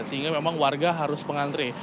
sehingga memang warga harus mengantre